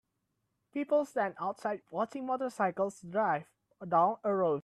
People stand outside watching motorcycles drive down a road.